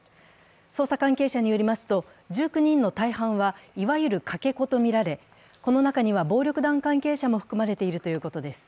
捜査関係者によりますと１９人の大半はいわゆるかけ子とみられ、この中には暴力団関係者も含まれているということです。